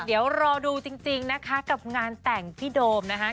เดี๋ยวรอดูจริงนะคะกับงานแต่งพี่โดมนะคะ